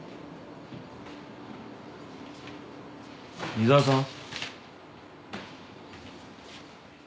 井沢さん？